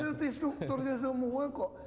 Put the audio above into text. gue ngerti strukturnya semua kok